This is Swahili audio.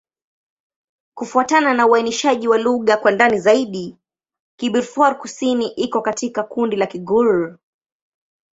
Kufuatana na uainishaji wa lugha kwa ndani zaidi, Kibirifor-Kusini iko katika kundi la Kigur.